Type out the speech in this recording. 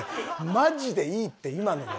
マジでいいって今のは。